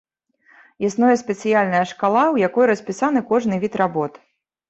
Існуе спецыяльная шкала, у якой распісаны кожны від работ.